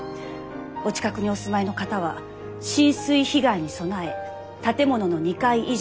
お近くにお住まいの方は浸水被害に備え建物の２階以上に移動してください。